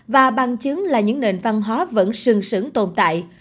và bằng chứng là những nền văn hóa vẫn sừng sững tồn tại